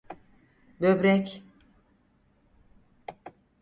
Böbrek.